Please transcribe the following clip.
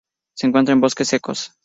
Se encuentra en bosques secos.